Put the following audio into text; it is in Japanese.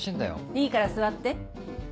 いいから座って。